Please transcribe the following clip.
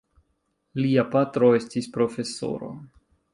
Lia patro estis profesoro.